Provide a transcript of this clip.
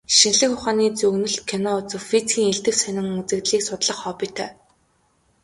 Шинжлэх ухааны зөгнөлт кино үзэх, физикийн элдэв сонин үзэгдлийг судлах хоббитой.